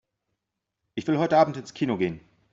Ich will heute Abend ins Kino gehen.